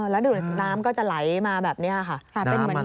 แล้วดูน้ำก็จะไหลมาแบบนี้ค่ะค่ะเป็นเหมือนหินปูนค่ะ